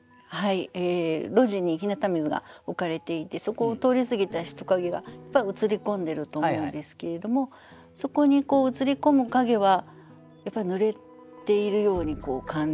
路地に日向水が置かれていてそこを通り過ぎた人影が映り込んでると思うんですけれどもそこに映り込む影はやっぱり濡れているように感じたっていう。